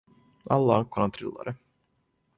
Alla ankorna trillade.